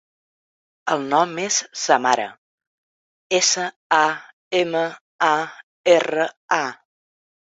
El nom és Samara: essa, a, ema, a, erra, a.